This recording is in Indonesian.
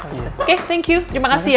oke terima kasih ya